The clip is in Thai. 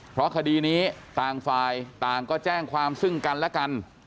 เพราะคดีนี้ต่างฝ่ายต่างก็แจ้งความซึ่งกันและกัน